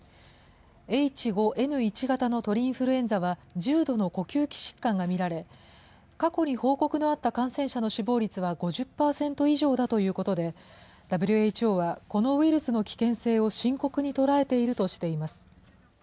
Ｈ５Ｎ１型の鳥インフルエンザは、重度の呼吸器疾患が見られ、過去に報告のあった感染者の死亡率は５０％以上だということで、ＷＨＯはこのウイルスの危険性を深刻に捉えているとしています。